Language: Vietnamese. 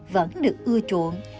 vẫn được ưa chuộng